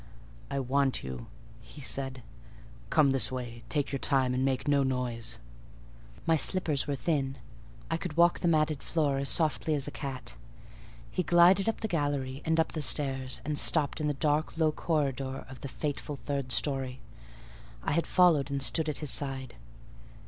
"I want you," he said: "come this way: take your time, and make no noise." My slippers were thin: I could walk the matted floor as softly as a cat. He glided up the gallery and up the stairs, and stopped in the dark, low corridor of the fateful third storey: I had followed and stood at his side.